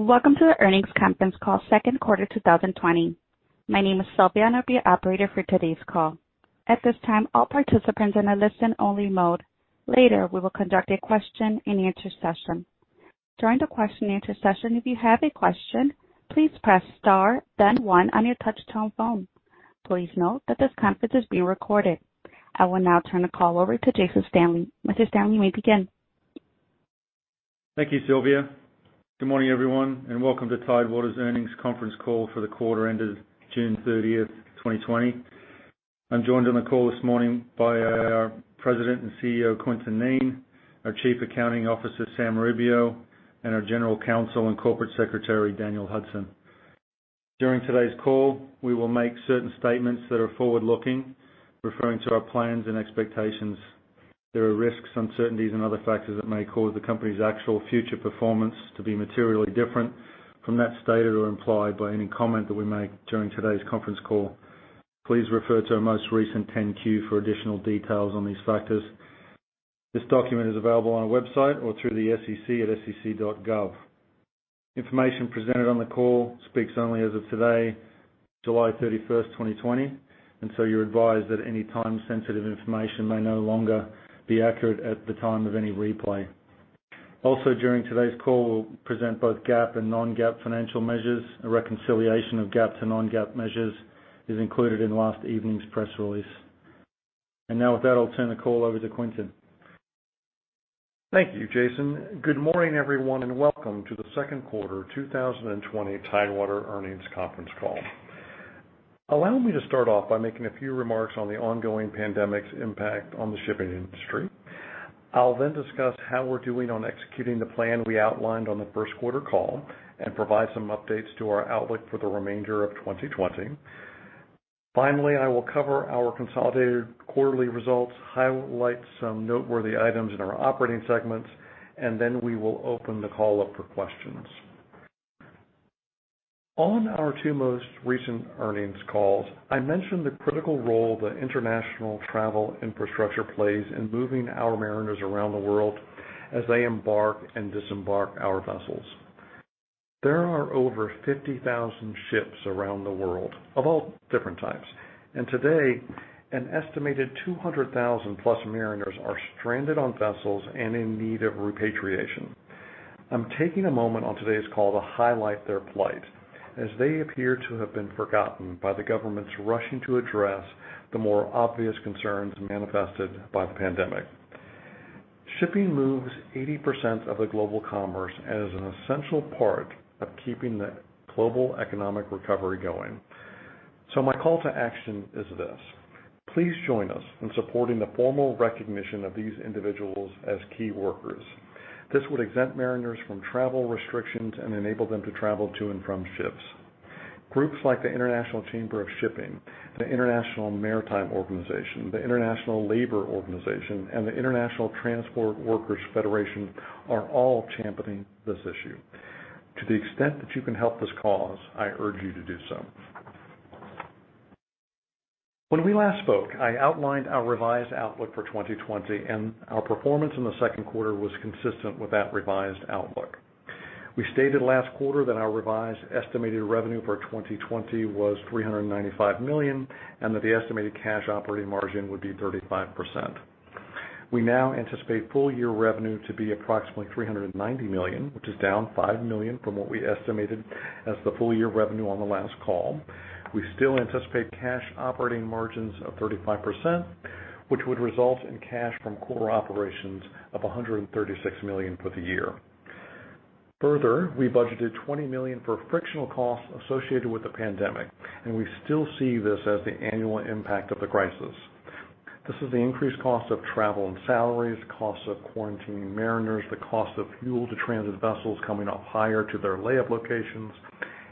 Welcome to the earnings conference call, second quarter 2020. My name is Sylvia, and I'll be your operator for today's call. At this time, all participants are in a listen-only mode. Later, we will conduct a question-and-answer session. During the question-and-answer session, if you have a question, please press star, then one on your touch-tone phone. Please note that this conference is being recorded. I will now turn the call over to Jason Stanley. Mr. Stanley, you may begin. Thank you, Sylvia. Good morning, everyone, and welcome to Tidewater's earnings conference call for the quarter ended June 30th, 2020. I'm joined on the call this morning by our President and CEO, Quintin Kneen, our Chief Accounting Officer, Sam Rubio, and our General Counsel and Corporate Secretary, Daniel Hudson. During today's call, we will make certain statements that are forward-looking, referring to our plans and expectations. There are risks, uncertainties, and other factors that may cause the company's actual future performance to be materially different from that stated or implied by any comment that we make during today's conference call. Please refer to our most recent 10-Q for additional details on these factors. This document is available on our website or through the SEC at sec.gov. Information presented on the call speaks only as of today, July 31st, 2020, and so you're advised that any time-sensitive information may no longer be accurate at the time of any replay. Also, during today's call, we'll present both GAAP and non-GAAP financial measures. A reconciliation of GAAP to non-GAAP measures is included in last evening's press release. And now, with that, I'll turn the call over to Quintin. Thank you, Jason. Good morning, everyone, and welcome to the second quarter 2020 Tidewater earnings conference call. Allow me to start off by making a few remarks on the ongoing pandemic's impact on the shipping industry. I'll then discuss how we're doing on executing the plan we outlined on the first quarter call and provide some updates to our outlook for the remainder of 2020. Finally, I will cover our consolidated quarterly results, highlight some noteworthy items in our operating segments, and then we will open the call up for questions. On our two most recent earnings calls, I mentioned the critical role the international travel infrastructure plays in moving our mariners around the world as they embark and disembark our vessels. There are over 50,000 ships around the world of all different types, and today, an estimated 200,000+ mariners are stranded on vessels and in need of repatriation. I'm taking a moment on today's call to highlight their plight as they appear to have been forgotten by the government's rushing to address the more obvious concerns manifested by the pandemic. Shipping moves 80% of the global commerce as an essential part of keeping the global economic recovery going. So my call to action is this: please join us in supporting the formal recognition of these individuals as key workers. This would exempt mariners from travel restrictions and enable them to travel to and from ships. Groups like the International Chamber of Shipping, the International Maritime Organization, the International Labour Organization, and the International Transport Workers' Federation are all championing this issue. To the extent that you can help this cause, I urge you to do so. When we last spoke, I outlined our revised outlook for 2020, and our performance in the second quarter was consistent with that revised outlook. We stated last quarter that our revised estimated revenue for 2020 was $395 million and that the estimated cash operating margin would be 35%. We now anticipate full-year revenue to be approximately $390 million, which is down $5 million from what we estimated as the full-year revenue on the last call. We still anticipate cash operating margins of 35%, which would result in cash from core operations of $136 million for the year. Further, we budgeted $20 million for frictional costs associated with the pandemic, and we still see this as the annual impact of the crisis. This is the increased cost of travel and salaries, the cost of quarantining mariners, the cost of fuel to transit vessels coming up higher to their layup locations,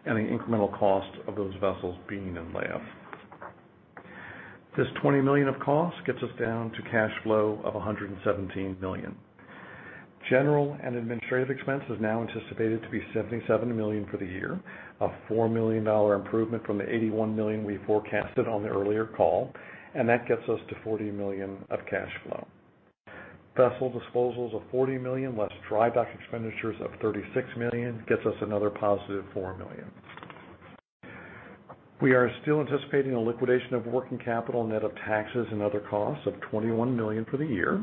and the incremental cost of those vessels being in layup. This $20 million of costs gets us down to cash flow of $117 million. General and administrative expense is now anticipated to be $77 million for the year, a $4 million improvement from the $81 million we forecasted on the earlier call, and that gets us to $40 million of cash flow. Vessel disposals of $40 million, less dry dock expenditures of $36 million, gets us another positive $4 million. We are still anticipating a liquidation of working capital net of taxes and other costs of $21 million for the year.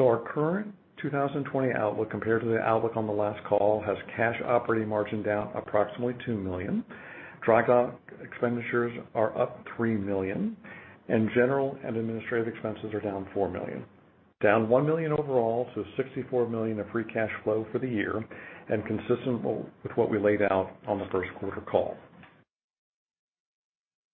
Our current 2020 outlook compared to the outlook on the last call has cash operating margin down approximately $2 million. Dry dock expenditures are up $3 million, and general and administrative expenses are down $4 million. Down $1 million overall to $64 million of free cash flow for the year and consistent with what we laid out on the first quarter call.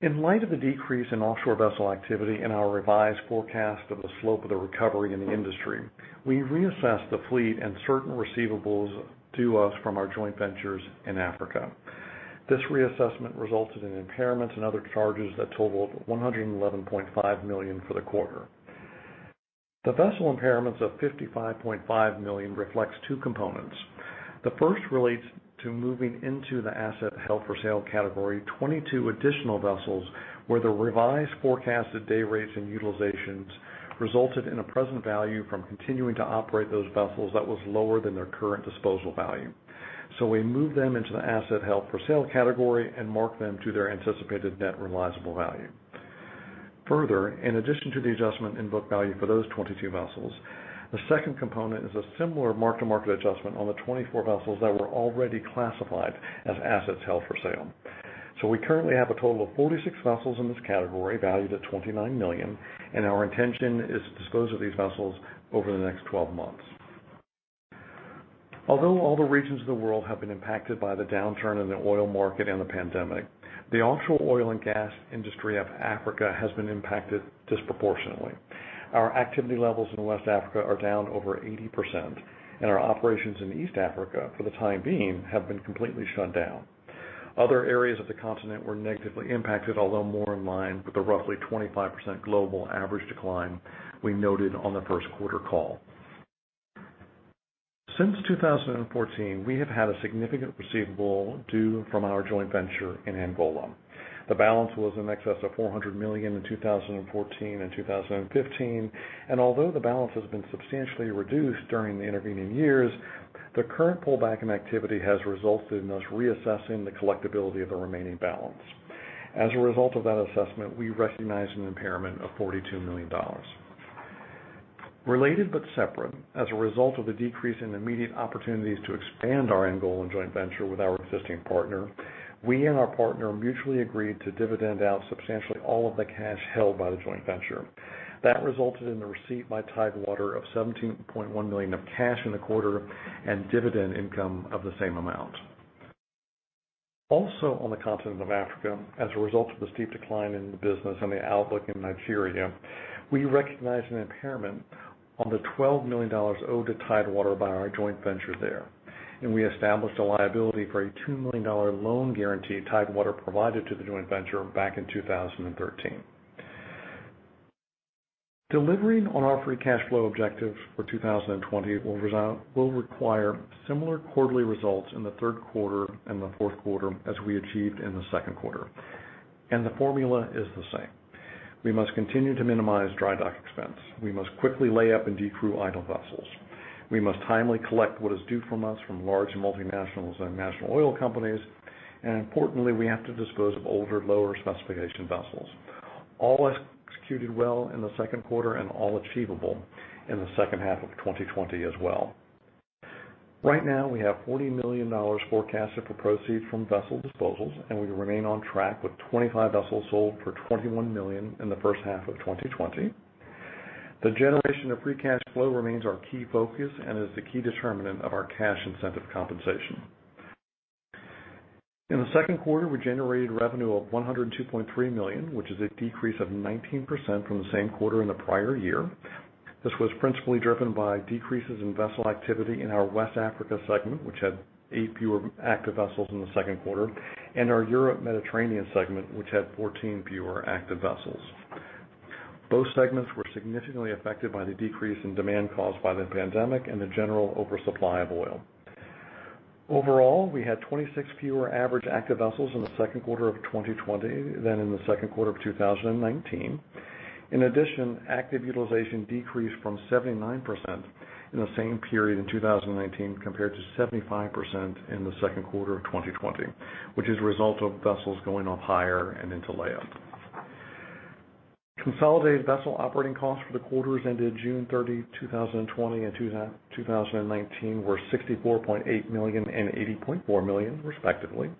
In light of the decrease in offshore vessel activity and our revised forecast of the slope of the recovery in the industry, we reassessed the fleet and certain receivables due to us from our joint ventures in Africa. This reassessment resulted in impairments and other charges that totaled $111.5 million for the quarter. The vessel impairments of $55.5 million reflects two components. The first relates to moving into the asset held for sale category 22 additional vessels where the revised forecasted day rates and utilizations resulted in a present value from continuing to operate those vessels that was lower than their current disposal value. So we moved them into the assets held for sale category and marked them to their anticipated net realizable value. Further, in addition to the adjustment in book value for those 22 vessels, the second component is a similar mark-to-market adjustment on the 24 vessels that were already classified as assets held for sale. So we currently have a total of 46 vessels in this category valued at $29 million, and our intention is to dispose of these vessels over the next 12 months. Although all the regions of the world have been impacted by the downturn in the oil market and the pandemic, the offshore oil and gas industry of Africa has been impacted disproportionately. Our activity levels in West Africa are down over 80%, and our operations in East Africa for the time being have been completely shut down. Other areas of the continent were negatively impacted, although more in line with the roughly 25% global average decline we noted on the first quarter call. Since 2014, we have had a significant receivable due from our joint venture in Angola. The balance was in excess of $400 million in 2014 and 2015, and although the balance has been substantially reduced during the intervening years, the current pullback in activity has resulted in us reassessing the collectibility of the remaining balance. As a result of that assessment, we recognize an impairment of $42 million. Related but separate, as a result of the decrease in immediate opportunities to expand our Angola joint venture with our existing partner, we and our partner mutually agreed to dividend out substantially all of the cash held by the joint venture. That resulted in the receipt by Tidewater of $17.1 million of cash in the quarter and dividend income of the same amount. Also on the continent of Africa, as a result of the steep decline in the business and the outlook in Nigeria, we recognize an impairment on the $12 million owed to Tidewater by our joint venture there, and we established a liability for a $2 million loan guarantee Tidewater provided to the joint venture back in 2013. Delivering on our free cash flow objectives for 2020 will require similar quarterly results in the third quarter and the fourth quarter as we achieved in the second quarter, and the formula is the same. We must continue to minimize dry dock expense. We must quickly lay up and decrew idle vessels. We must timely collect what is due from us from large multinationals and national oil companies, and importantly, we have to dispose of older lower specification vessels. All executed well in the second quarter and all achievable in the second half of 2020 as well. Right now, we have $40 million forecasted for proceeds from vessel disposals, and we remain on track with 25 vessels sold for $21 million in the first half of 2020. The generation of free cash flow remains our key focus and is the key determinant of our cash incentive compensation. In the second quarter, we generated revenue of $102.3 million, which is a decrease of 19% from the same quarter in the prior year. This was principally driven by decreases in vessel activity in our West Africa segment, which had eight fewer active vessels in the second quarter, and our Europe and Mediterranean segment, which had 14 fewer active vessels. Both segments were significantly affected by the decrease in demand caused by the pandemic and the general oversupply of oil. Overall, we had 26 fewer average active vessels in the second quarter of 2020 than in the second quarter of 2019. In addition, active utilization decreased from 79% in the same period in 2019 compared to 75% in the second quarter of 2020, which is the result of vessels going up higher and into layup. Consolidated vessel operating costs for the quarters ended June 30, 2020, and 2019 were $64.8 million and $80.4 million, respectively.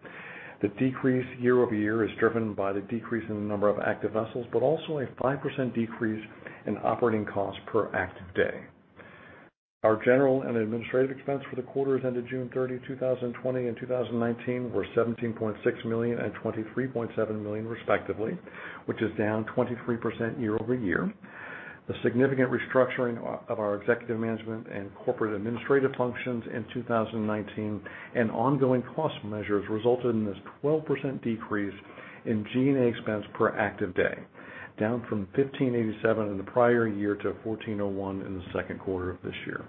The decrease year over year is driven by the decrease in the number of active vessels, but also a 5% decrease in operating costs per active day. Our General and administrative expense for the quarters ended June 30, 2020, and 2019 were $17.6 million and $23.7 million, respectively, which is down 23% year over year. The significant restructuring of our executive management and corporate administrative functions in 2019 and ongoing cost measures resulted in this 12% decrease in G&A expense per active day, down from $1,587 in the prior year to $1,401 in the second quarter of this year.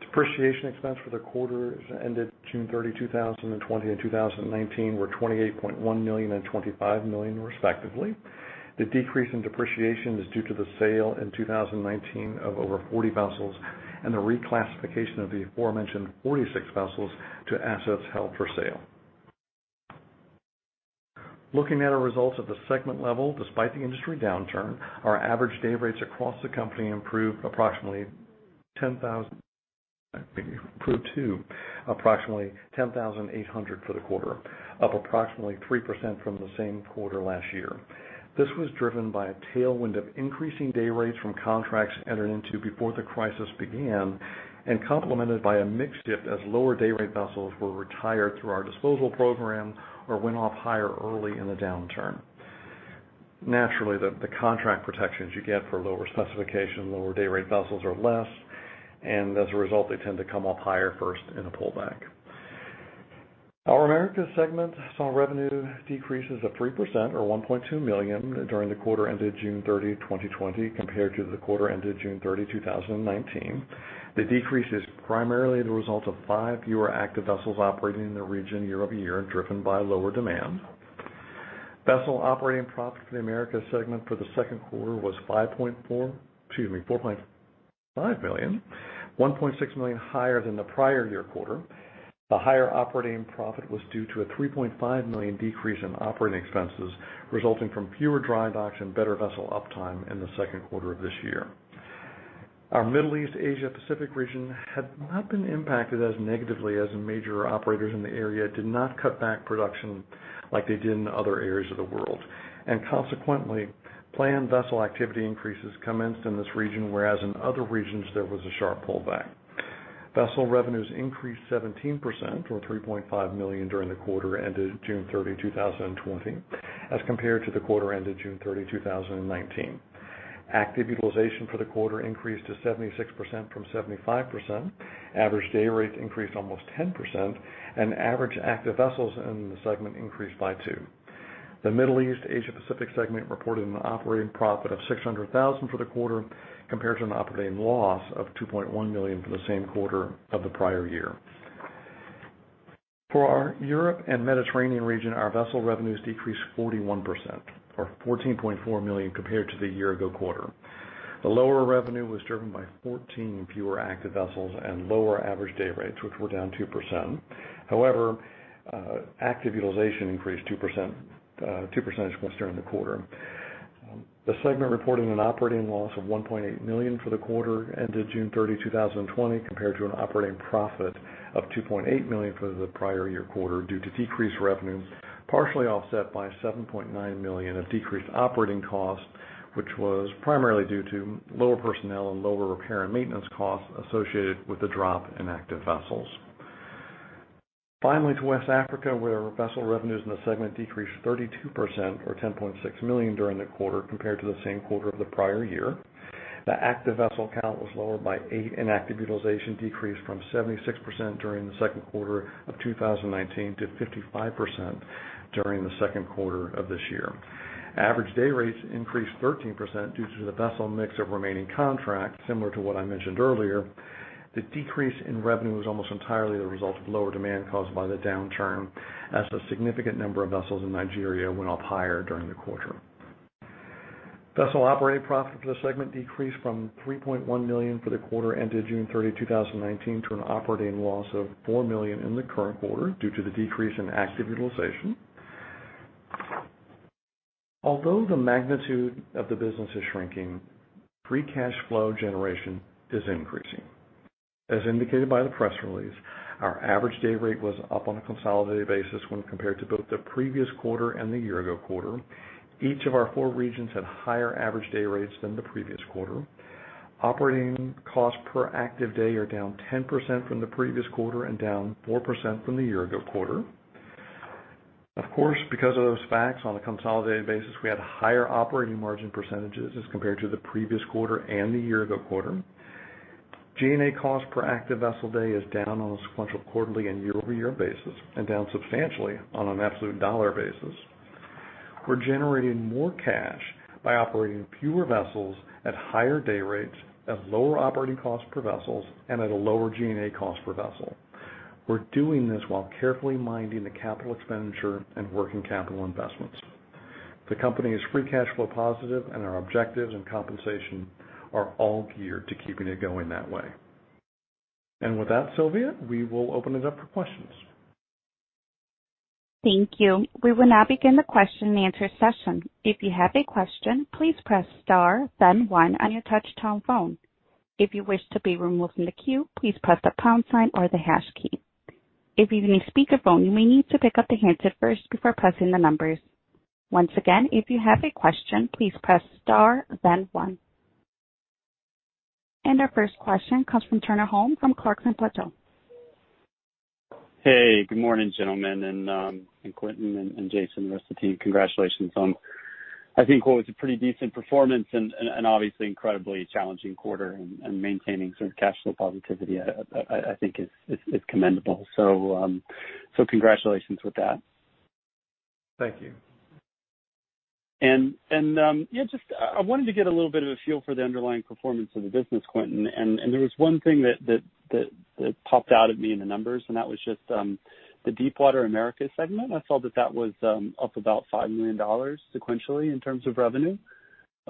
Depreciation expense for the quarters ended June 30, 2020, and 2019 were $28.1 million and $25 million, respectively. The decrease in depreciation is due to the sale in 2019 of over 40 vessels and the reclassification of the aforementioned 46 vessels to assets held for sale. Looking at our results at the segment level, despite the industry downturn, our average day rates across the company improved approximately $10,800 for the quarter, up approximately 3% from the same quarter last year. This was driven by a tailwind of increasing day rates from contracts entered into before the crisis began and complemented by a mixed shift as lower day rate vessels were retired through our disposal program or went off higher early in the downturn. Naturally, the contract protections you get for lower specification, lower day rate vessels are less, and as a result, they tend to come up higher first in a pullback. Our Americas segment saw revenue decreases of 3% or $1.2 million during the quarter ended June 30, 2020, compared to the quarter ended June 30, 2019. The decrease is primarily the result of five fewer active vessels operating in the region year over year, driven by lower demand. Vessel operating profit for the Americas segment for the second quarter was $4.5 million, $1.6 million higher than the prior year quarter. The higher operating profit was due to a $3.5 million decrease in operating expenses resulting from fewer dry docks and better vessel uptime in the second quarter of this year. Our Middle East Asia Pacific region had not been impacted as negatively as major operators in the area did not cut back production like they did in other areas of the world, and consequently, planned vessel activity increases commenced in this region, whereas in other regions there was a sharp pullback. Vessel revenues increased 17% or $3.5 million during the quarter ended June 30, 2020, as compared to the quarter ended June 30, 2019. Active utilization for the quarter increased to 76% from 75%. Average day rates increased almost 10%, and average active vessels in the segment increased by two. The Middle East Asia Pacific segment reported an operating profit of $600,000 for the quarter compared to an operating loss of $2.1 million for the same quarter of the prior year. For our Europe and Mediterranean region, our vessel revenues decreased 41% or $14.4 million compared to the year ago quarter. The lower revenue was driven by 14 fewer active vessels and lower average day rates, which were down 2%. However, active utilization increased 2% during the quarter. The segment reported an operating loss of $1.8 million for the quarter ended June 30, 2020, compared to an operating profit of $2.8 million for the prior year quarter due to decreased revenue, partially offset by $7.9 million of decreased operating costs, which was primarily due to lower personnel and lower repair and maintenance costs associated with the drop in active vessels. Finally, to West Africa, where vessel revenues in the segment decreased 32% or $10.6 million during the quarter compared to the same quarter of the prior year. The active vessel count was lower by eight, and active utilization decreased from 76% during the second quarter of 2019 to 55% during the second quarter of this year. Average day rates increased 13% due to the vessel mix of remaining contract, similar to what I mentioned earlier. The decrease in revenue was almost entirely the result of lower demand caused by the downturn, as a significant number of vessels in Nigeria went off hire during the quarter. Vessel operating profit for the segment decreased from $3.1 million for the quarter ended June 30, 2019, to an operating loss of $4 million in the current quarter due to the decrease in active utilization. Although the magnitude of the business is shrinking, free cash flow generation is increasing. As indicated by the press release, our average day rate was up on a consolidated basis when compared to both the previous quarter and the year ago quarter. Each of our four regions had higher average day rates than the previous quarter. Operating costs per active day are down 10% from the previous quarter and down 4% from the year ago quarter. Of course, because of those facts, on a consolidated basis, we had higher operating margin percentages as compared to the previous quarter and the year ago quarter. G&A cost per active vessel day is down on a sequential quarterly and year over year basis and down substantially on an absolute dollar basis. We're generating more cash by operating fewer vessels at higher day rates, at lower operating costs per vessels, and at a lower G&A cost per vessel. We're doing this while carefully minding the capital expenditure and working capital investments. The company is free cash flow positive, and our objectives and compensation are all geared to keeping it going that way. And with that, Sylvia, we will open it up for questions. Thank you. We will now begin the question and answer session. If you have a question, please press star, then one on your touch-tone phone. If you wish to be removed from the queue, please press the pound sign or the hash key. If you need speakerphone, you may need to pick up the handset first before pressing the numbers. Once again, if you have a question, please press star, then one. Our first question comes from Turner Holm from Clarksons Platou. Hey, good morning, gentlemen, and Quintin, and Jason, and the rest of the team. Congratulations on, I think, what was a pretty decent performance and obviously incredibly challenging quarter, and maintaining sort of cash flow positivity, I think, is commendable. So congratulations with that. Thank you. Yeah, just I wanted to get a little bit of a feel for the underlying performance of the business, Quintin. There was one thing that popped out at me in the numbers, and that was just the Americas segment. I saw that that was up about $5 million sequentially in terms of revenue.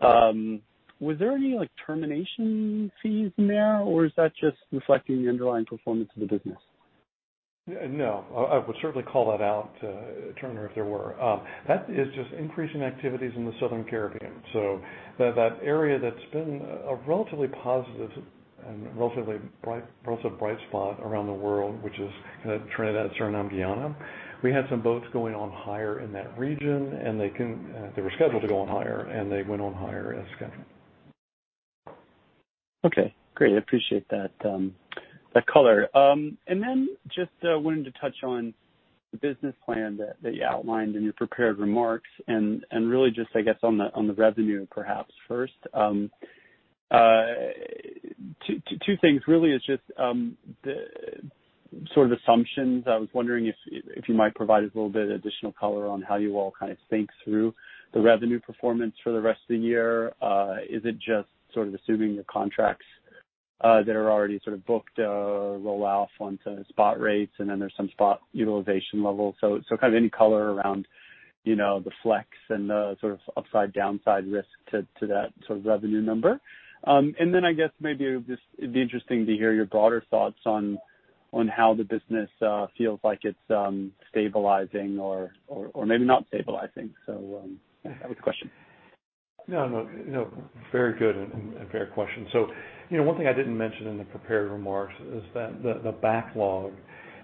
Was there any termination fees in there, or is that just reflecting the underlying performance of the business? No, I would certainly call that out, Turner, if there were. That is just increasing activities in the Southern Caribbean. So that area that's been a relatively positive and relatively bright spot around the world, which is Trinidad, Suriname, Guyana, we had some boats going on hire in that region, and they were scheduled to go on hire, and they went on hire as scheduled. Okay. Great. I appreciate that color, and then just wanted to touch on the business plan that you outlined in your prepared remarks, and really just, I guess, on the revenue, perhaps, first. Two things, really, is just sort of assumptions. I was wondering if you might provide us a little bit of additional color on how you all kind of think through the revenue performance for the rest of the year. Is it just sort of assuming the contracts that are already sort of booked roll off onto spot rates, and then there's some spot utilization level? So kind of any color around the flex and the sort of upside, downside risk to that sort of revenue number. And then I guess maybe it would just be interesting to hear your broader thoughts on how the business feels like it's stabilizing or maybe not stabilizing. So that was the question. No, no. Very good and fair question. So one thing I didn't mention in the prepared remarks is that the backlog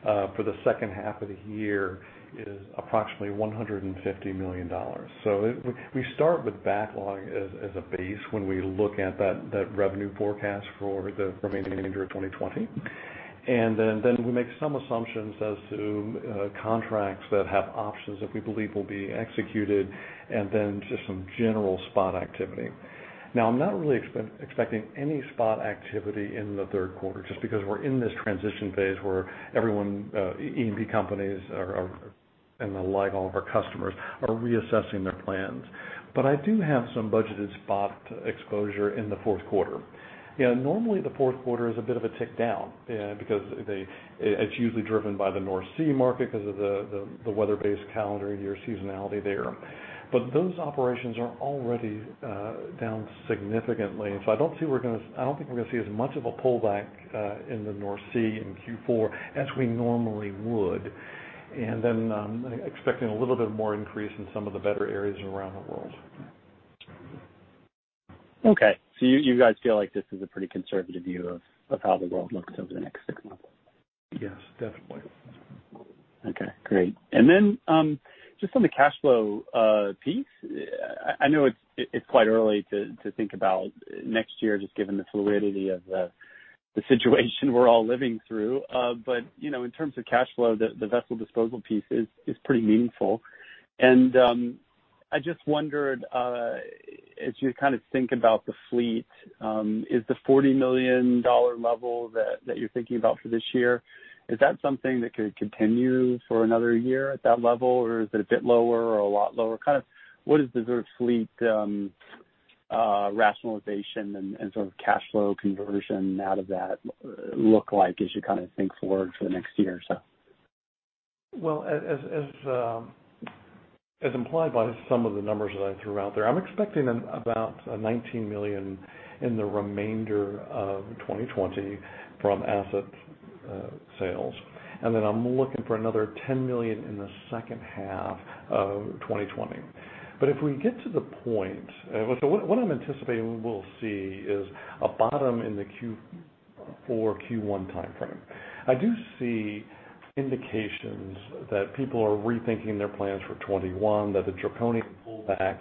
for the second half of the year is approximately $150 million. So we start with backlog as a base when we look at that revenue forecast for the remaining year of 2020. And then we make some assumptions as to contracts that have options that we believe will be executed, and then just some general spot activity. Now, I'm not really expecting any spot activity in the third quarter, just because we're in this transition phase where E&P companies and the like, all of our customers, are reassessing their plans. But I do have some budgeted spot exposure in the fourth quarter. Normally, the fourth quarter is a bit of a tick down because it's usually driven by the North Sea market because of the weather-based calendar year seasonality there. But those operations are already down significantly. So I don't think we're going to see as much of a pullback in the North Sea in Q4 as we normally would, and then expecting a little bit more increase in some of the better areas around the world. Okay. So you guys feel like this is a pretty conservative view of how the world looks over the next six months? Yes, definitely. Okay. Great. And then just on the cash flow piece, I know it's quite early to think about next year, just given the fluidity of the situation we're all living through. But in terms of cash flow, the vessel disposal piece is pretty meaningful. I just wondered, as you kind of think about the fleet, is the $40 million level that you're thinking about for this year, is that something that could continue for another year at that level, or is it a bit lower or a lot lower? Kind of what is the sort of fleet rationalization and sort of cash flow conversion out of that look like as you kind of think forward for the next year or so? As implied by some of the numbers that I threw out there, I'm expecting about $19 million in the remainder of 2020 from asset sales. Then I'm looking for another $10 million in the second half of 2020. If we get to the point, so what I'm anticipating we'll see is a bottom in the Q4, Q1 timeframe. I do see indications that people are rethinking their plans for 2021, that the draconian pullback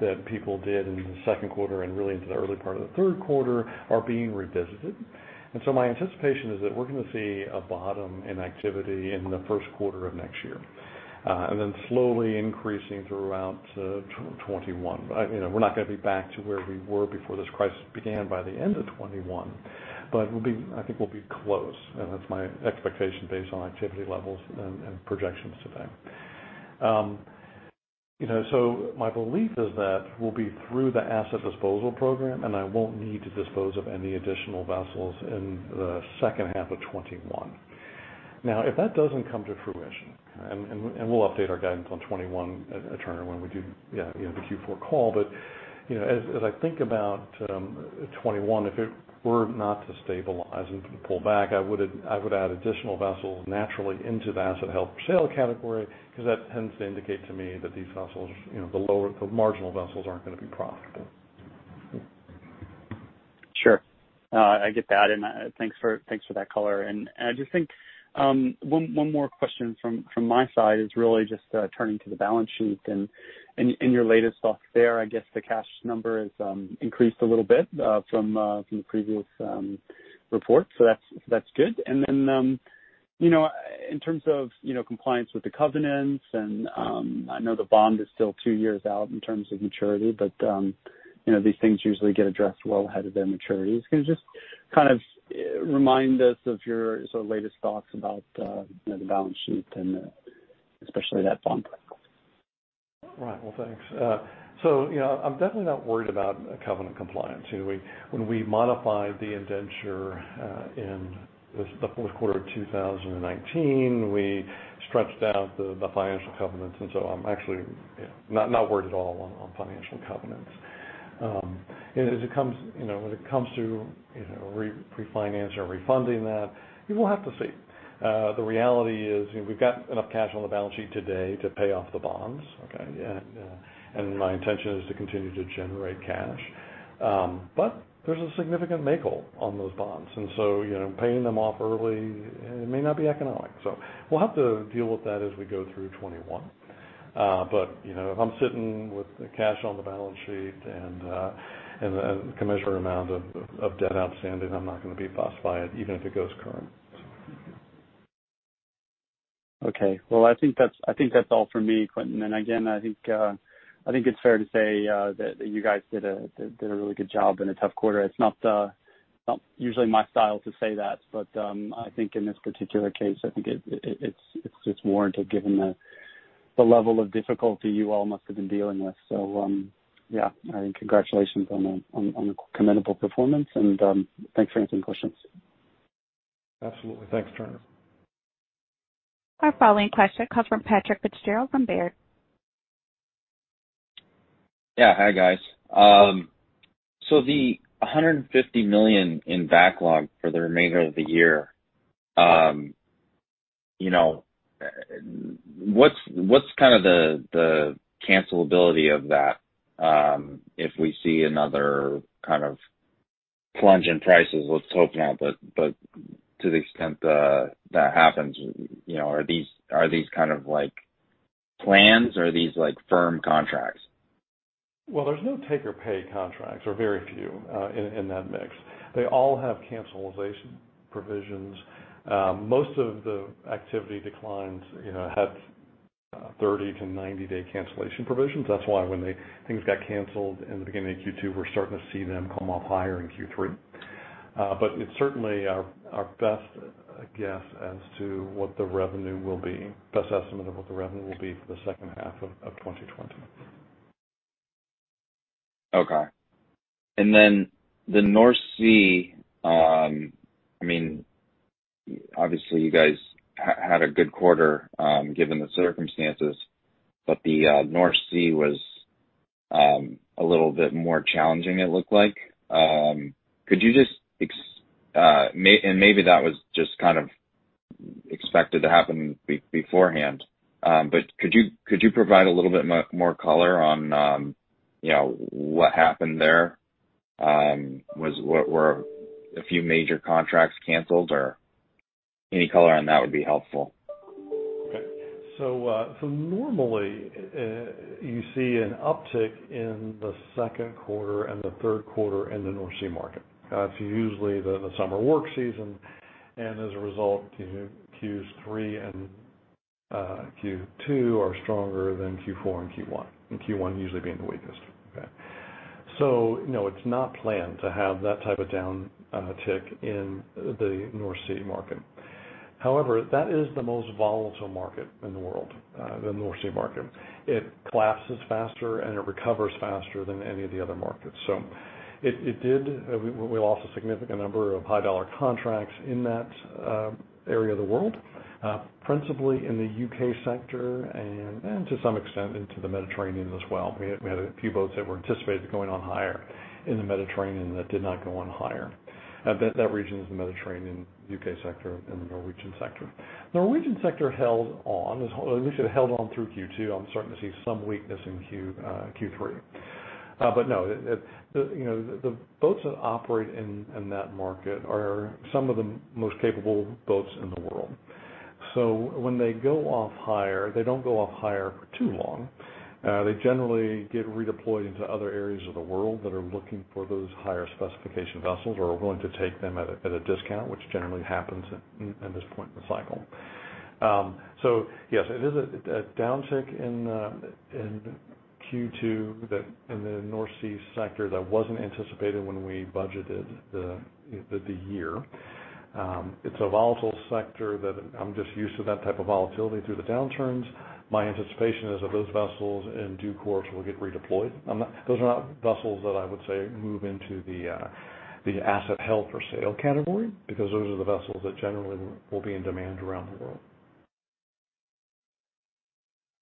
that people did in the second quarter and really into the early part of the third quarter are being revisited, and so my anticipation is that we're going to see a bottom in activity in the first quarter of next year, and then slowly increasing throughout 2021. We're not going to be back to where we were before this crisis began by the end of 2021, but I think we'll be close, and that's my expectation based on activity levels and projections today, so my belief is that we'll be through the asset disposal program, and I won't need to dispose of any additional vessels in the second half of 2021. Now, if that doesn't come to fruition, and we'll update our guidance on 2021, Turner, when we do the Q4 call. But as I think about 2021, if it were not to stabilize and pull back, I would add additional vessels naturally into the assets held for sale category because that tends to indicate to me that these vessels, the marginal vessels, aren't going to be profitable. Sure. I get that, and thanks for that color, and I just think one more question from my side is really just turning to the balance sheet, and in your latest 10-Q there, I guess the cash number has increased a little bit from the previous report, so that's good, and then in terms of compliance with the covenants, and I know the bond is still two years out in terms of maturity, but these things usually get addressed well ahead of their maturity. Can you just kind of remind us of your sort of latest thoughts about the balance sheet, and especially that bond? Right. Well, thanks. So I'm definitely not worried about covenant compliance. When we modified the indenture in the fourth quarter of 2019, we stretched out the financial covenants, and so I'm actually not worried at all on financial covenants, and as it comes when it comes to refinancing or refunding that, we'll have to see. The reality is we've got enough cash on the balance sheet today to pay off the bonds. Okay? And my intention is to continue to generate cash, but there's a significant make-whole on those bonds, and so paying them off early may not be economic, so we'll have to deal with that as we go through 2021. But if I'm sitting with the cash on the balance sheet and the commensurate amount of debt outstanding, I'm not going to be busted by it, even if it goes current. Okay. Well, I think that's all for me, Quintin. And again, I think it's fair to say that you guys did a really good job in a tough quarter. It's not usually my style to say that, but I think in this particular case, I think it's just warranted given the level of difficulty you all must have been dealing with. So yeah, I think congratulations on the commendable performance. And thanks for answering questions. Absolutely. Thanks, Turner. Our following question comes from Patrick Fitzgerald from Baird. Yeah. Hi, guys. So the $150 million in backlog for the remainder of the year, what's kind of the cancelability of that if we see another kind of plunge in prices? Let's hope not. But to the extent that happens, are these kind of like plans or are these firm contracts? Well, there's no take-or-pay contracts, or very few in that mix. They all have cancellation provisions. Most of the activity declines had 30- to 90-day cancellation provisions. That's why when things got canceled in the beginning of Q2, we're starting to see them come off higher in Q3. But it's certainly our best guess as to what the revenue will be, best estimate of what the revenue will be for the second half of 2020. Okay. And then the North Sea, I mean, obviously, you guys had a good quarter given the circumstances, but the North Sea was a little bit more challenging, it looked like. Could you just, and maybe that was just kind of expected to happen beforehand, but could you provide a little bit more color on what happened there? Were a few major contracts canceled or any color on that would be helpful? Okay. So normally, you see an uptick in the second quarter and the third quarter in the North Sea market. That's usually the summer work season. And as a result, Q3 and Q2 are stronger than Q4 and Q1, and Q1 usually being the weakest. Okay? So it's not planned to have that type of downtick in the North Sea market. However, that is the most volatile market in the world, the North Sea market. It collapses faster and it recovers faster than any of the other markets. So we lost a significant number of high-dollar contracts in that area of the world, principally in the UK sector and to some extent into the Mediterranean as well. We had a few boats that were anticipated going on hire in the Mediterranean that did not go on hire. That region is the Mediterranean, UK sector, and the Norwegian sector. The Norwegian sector held on. At least it held on through Q2. I'm starting to see some weakness in Q3. But no, the boats that operate in that market are some of the most capable boats in the world. So when they go off hire, they don't go off hire for too long. They generally get redeployed into other areas of the world that are looking for those higher specification vessels or are willing to take them at a discount, which generally happens at this point in the cycle. So yes, it is a downtick in Q2 in the North Sea sector that wasn't anticipated when we budgeted the year. It's a volatile sector that I'm just used to that type of volatility through the downturns. My anticipation is that those vessels in due course will get redeployed. Those are not vessels that I would say move into the assets held for sale category because those are the vessels that generally will be in demand around the world.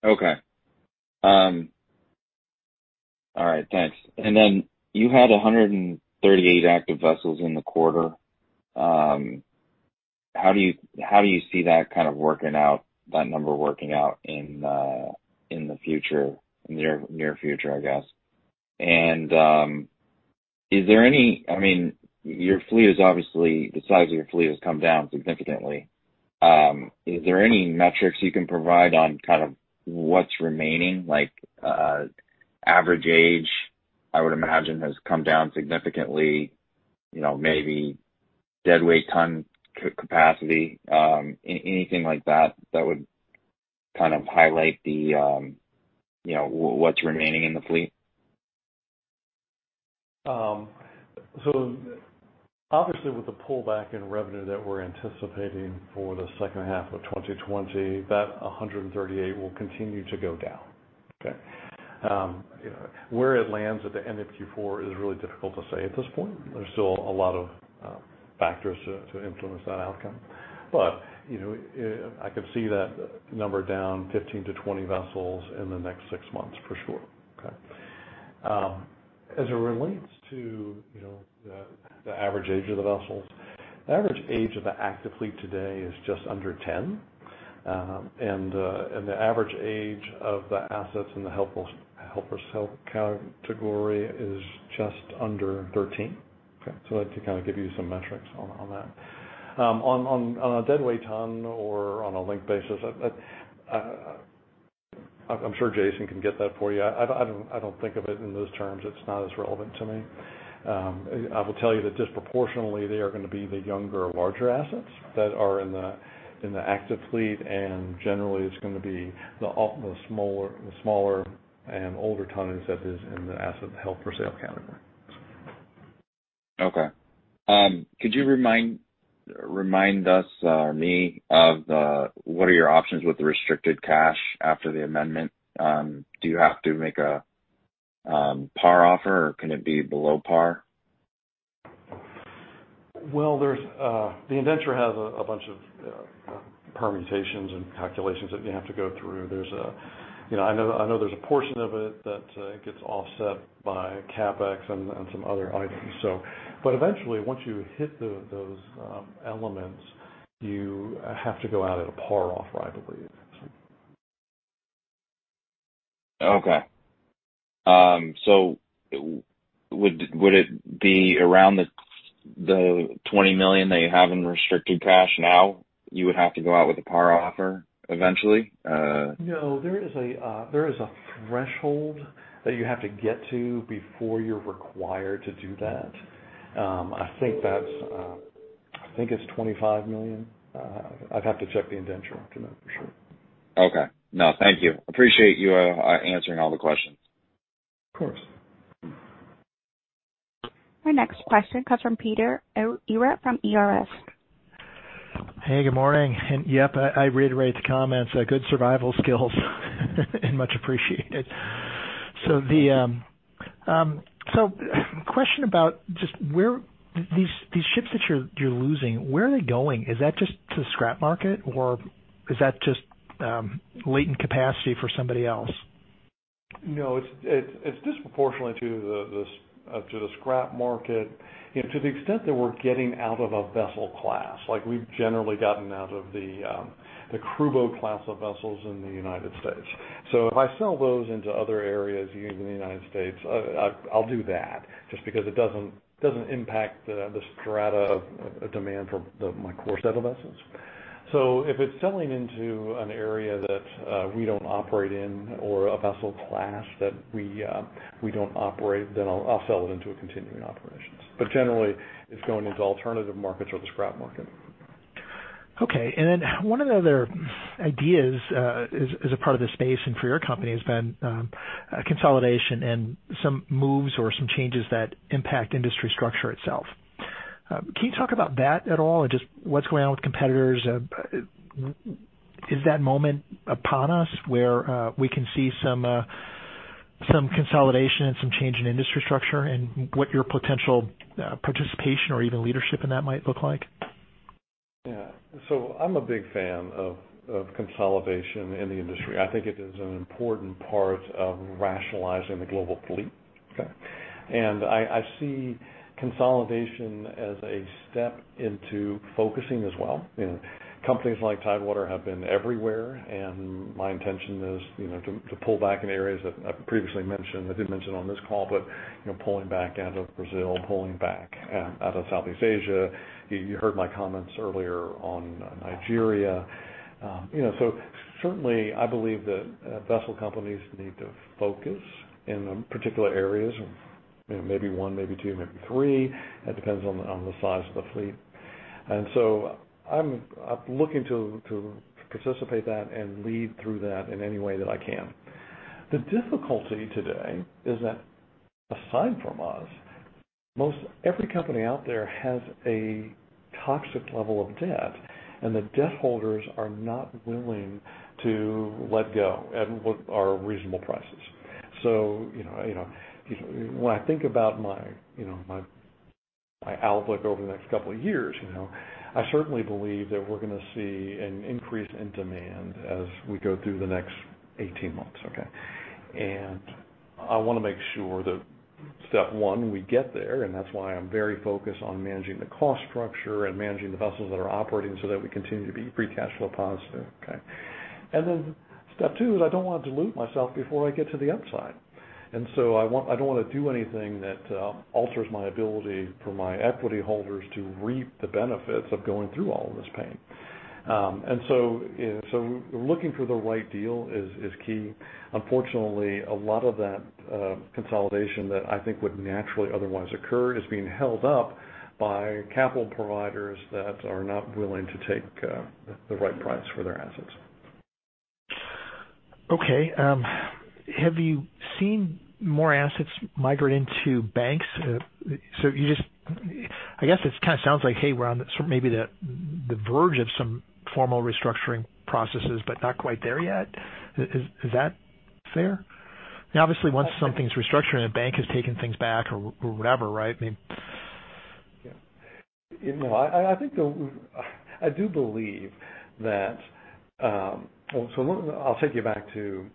Okay. All right. Thanks. And then you had 138 active vessels in the quarter. How do you see that kind of working out, that number working out in the near future, I guess? And is there any—I mean, your fleet has obviously the size of your fleet has come down significantly. Is there any metrics you can provide on kind of what's remaining, like average age, I would imagine, has come down significantly, maybe deadweight ton capacity, anything like that that would kind of highlight what's remaining in the fleet? So obviously, with the pullback in revenue that we're anticipating for the second half of 2020, that 138 will continue to go down. Okay? Where it lands at the end of Q4 is really difficult to say at this point. There's still a lot of factors to influence that outcome. But I could see that number down 15 vessels-20 vessels in the next six months for sure. Okay? As it relates to the average age of the vessels, the average age of the active fleet today is just under 10. And the average age of the assets in the held for sale category is just under 13. Okay? That could kind of give you some metrics on that. On a deadweight ton or on a length basis, I'm sure Jason can get that for you. I don't think of it in those terms. It's not as relevant to me. I will tell you that disproportionately, they are going to be the younger, larger assets that are in the active fleet. And generally, it's going to be the smaller and older tonnage that is in the assets held for sale category. Okay. Could you remind us, or me, of what are your options with the restricted cash after the amendment? Do you have to make a par offer, or can it be below par? Well, the indenture has a bunch of permutations and calculations that you have to go through. I know there's a portion of it that gets offset by CapEx and some other items. But eventually, once you hit those elements, you have to go out at a par offer, I believe. Okay. So would it be around the $20 million that you have in restricted cash now, you would have to go out with a par offer eventually? No. There is a threshold that you have to get to before you're required to do that. I think it's $25 million. I'd have to check the indenture to know for sure. Okay. No. Thank you. Appreciate you answering all the questions. Of course. Our next question comes from Peter Ehret from ERS. Hey. Good morning. And yep, I reiterate the comments. Good survival skills and much appreciated. So question about just these ships that you're losing, where are they going? Is that just to the scrap market, or is that just latent capacity for somebody else? No. It's disproportionately to the scrap market, to the extent that we're getting out of a vessel class. We've generally gotten out of the crew boat class of vessels in the United States. So if I sell those into other areas in the United States, I'll do that just because it doesn't impact the strata of demand for my core set of vessels. So if it's selling into an area that we don't operate in or a vessel class that we don't operate, then I'll sell it into a continuing operations. But generally, it's going into alternative markets or the scrap market. Okay. And then one of the other ideas as a part of this space and for your company has been consolidation and some moves or some changes that impact industry structure itself. Can you talk about that at all and just what's going on with competitors? Is that moment upon us where we can see some consolidation and some change in industry structure and what your potential participation or even leadership in that might look like? Yeah. So I'm a big fan of consolidation in the industry. I think it is an important part of rationalizing the global fleet. Okay? And I see consolidation as a step into focusing as well. Companies like Tidewater have been everywhere. And my intention is to pull back in areas that I previously mentioned that I didn't mention on this call, but pulling back out of Brazil, pulling back out of Southeast Asia. You heard my comments earlier on Nigeria. So certainly, I believe that vessel companies need to focus in particular areas, maybe one, maybe two, maybe three. That depends on the size of the fleet. And so I'm looking to participate in that and lead through that in any way that I can. The difficulty today is that aside from us, most every company out there has a toxic level of debt, and the debt holders are not willing to let go at reasonable prices. So when I think about my outlook over the next couple of years, I certainly believe that we're going to see an increase in demand as we go through the next 18 months. Okay? And I want to make sure that step one, we get there. And that's why I'm very focused on managing the cost structure and managing the vessels that are operating so that we continue to be free cash flow positive. Okay? And then step two is I don't want to dilute myself before I get to the upside. And so I don't want to do anything that alters my ability for my equity holders to reap the benefits of going through all of this pain. And so looking for the right deal is key. Unfortunately, a lot of that consolidation that I think would naturally otherwise occur is being held up by capital providers that are not willing to take the right price for their assets. Okay. Have you seen more assets migrate into banks? So I guess it kind of sounds like, hey, we're on maybe the verge of some formal restructuring processes, but not quite there yet. Is that fair? Obviously, once something's restructured and a bank has taken things back or whatever, right? I mean. Yeah. I do believe that. So I'll take you back to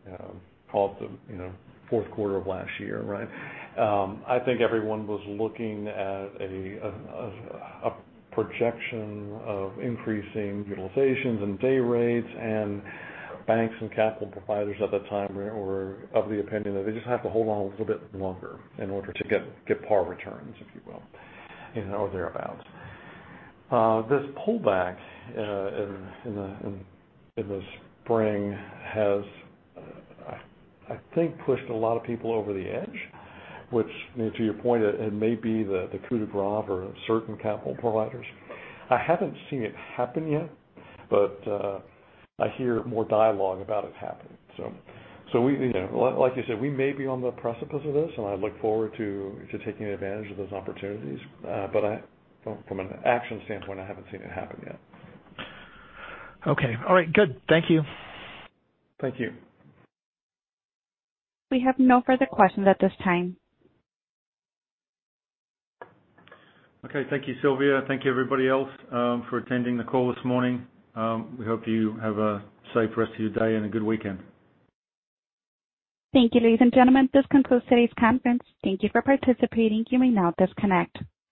call it the fourth quarter of last year, right? I think everyone was looking at a projection of increasing utilizations and day rates, and banks and capital providers at the time were of the opinion that they just have to hold on a little bit longer in order to get par returns, if you will, or thereabouts. This pullback in the spring has, I think, pushed a lot of people over the edge, which to your point, it may be the crude and raw for certain capital providers. I haven't seen it happen yet, but I hear more dialogue about it happening, so like you said, we may be on the precipice of this, and I look forward to taking advantage of those opportunities, but from an action standpoint, I haven't seen it happen yet. Okay. All right. Good. Thank you. Thank you. We have no further questions at this time. Okay. Thank you, Sylvia. Thank you, everybody else, for attending the call this morning. We hope you have a safe rest of your day and a good weekend. Thank you, ladies and gentlemen. This concludes today's conference. Thank you for participating. You may now disconnect.